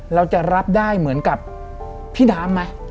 เราจะรับได้เหมือนกับพี่น้ำไหม